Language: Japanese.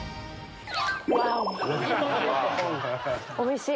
おいしい！